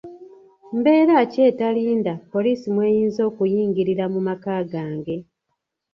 Mbeera ki etalinda poliisi mw'eyinza okuyingirira mu maka gange?